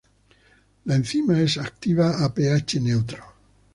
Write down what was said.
La enzima es activa a pH neutro.